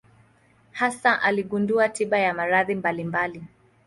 Hasa aligundua tiba ya maradhi mbalimbali.